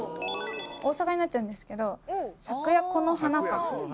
大阪になっちゃうんですけど、咲くやこの花館。